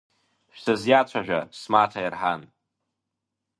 Шәсызиацәажәа, смаҭа Ерҳан.